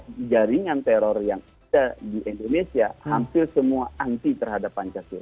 karena jaringan teror yang ada di indonesia hampir semua anti terhadap pancasila